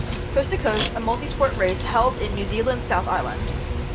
Coast to Coast, a multisport race held in New Zealand's South Island.